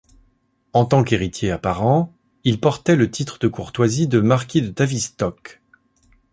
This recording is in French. En tant qu'héritier apparent, il portait le titre de courtoisie de marquis de Tavistock.